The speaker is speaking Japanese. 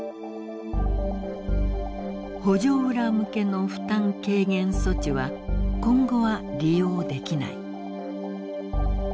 「補助裏向けの負担軽減措置は今後は利用できない」。